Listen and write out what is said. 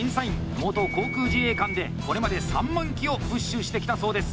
元航空自衛官でこれまで３万機をプッシュしてきたそうです。